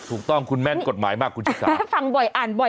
ถูกต้องคุณแม่นกฎหมายมากคุณชิคกี้พาย